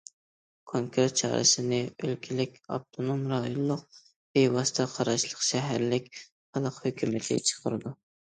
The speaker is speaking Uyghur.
كونكرېت چارىسىنى ئۆلكىلىك، ئاپتونوم رايونلۇق، بىۋاسىتە قاراشلىق شەھەرلىك خەلق ھۆكۈمىتى چىقىرىدۇ.